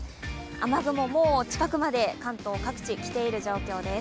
雨雲、もう近くまで関東各地、きている状況です。